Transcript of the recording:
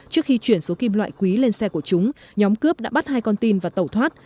trước khi chuyển số kim loại quý lên xe của chúng nhóm cướp đã bắt hai con tin và tẩu thoát